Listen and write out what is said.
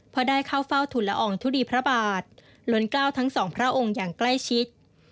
เพราะได้เข้าเฝ้าทุนละอองทุลีพระบาทล้นกล้าวทั้งสองพระองค์อย่างใกล้ชิด